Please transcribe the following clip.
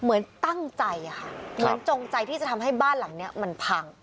เหมือนตั้งใจค่ะเหมือนจงใจที่จะทำให้บ้านหลังนี้มันพัง